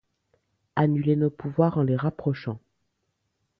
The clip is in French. annuler nos pouvoirs en les rapprochant.